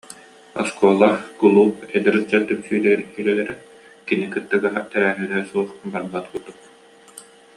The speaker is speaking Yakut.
Оскуола, кулууп, эдэр ыччат түмсүүлэрин үлэлэрэ кини кыттыгаһа, тэрээһинэ суох барбат курдук